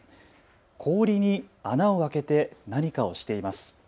氷に穴を開けて何かをしています。